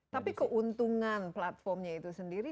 tapi keuntungan platformnya itu sendiri